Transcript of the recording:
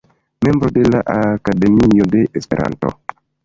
Membro de la Akademio de Esperanto.